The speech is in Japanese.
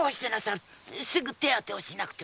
すぐ手当てをしなくては。